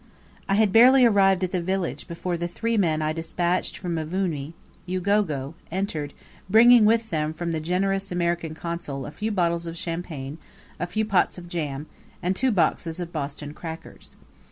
I had barely arrived at the village before the three men I despatched from Mvumi, Ugogo, entered, bringing with them from the generous American Consul a few bottles of champagne, a few pots of jam, and two boxes of Boston crackers.